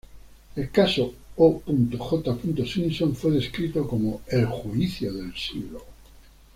El caso O. J. Simpson fue descrito como el "juicio del siglo.